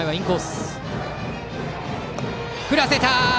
振らせた！